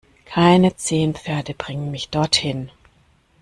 Keine zehn Pferde bringen mich dorthin!